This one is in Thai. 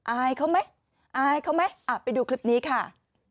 อายเขาไหมอายเขาไหมอ่ะไปดูคลิปนี้ค่ะ